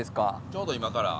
ちょうど今から。